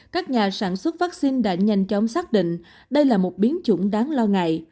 các nhà sản xuất vaccine đã nhanh chóng xác định đây là một biến chủng đáng lo ngại